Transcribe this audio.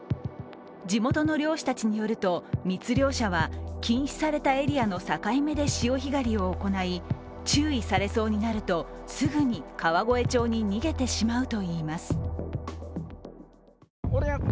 地元の漁師たちによると密漁者は、禁止されたエリアの境目で潮干狩りを行い、注意されそうになると、すぐに川越町に逃げてしまうといいます。